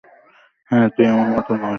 হ্যাঁ, তুই আমার মতো নস।